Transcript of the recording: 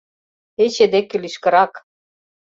— Пече деке лишкырак.